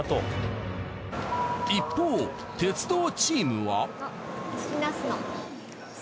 一方鉄道チームは。